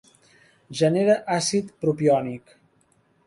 Genera àcid propiònic.